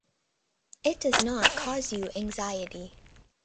It does not cause you anxiety.